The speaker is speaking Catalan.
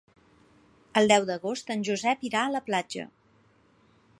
El deu d'agost en Josep irà a la platja.